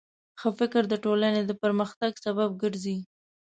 ښه فکر د ټولنې د پرمختګ سبب ګرځي.